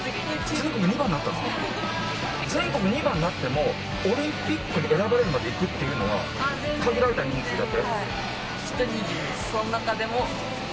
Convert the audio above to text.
全国２番になってもオリンピックに選ばれるまでいくのは限られた人数だけ。